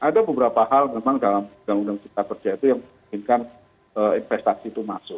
ada beberapa hal memang dalam undang undang cipta kerja itu yang menginginkan investasi itu masuk